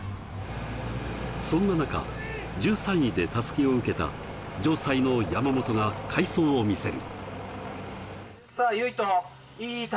そんな中、１３位で襷を受けた、城西の山本が快走を見せる。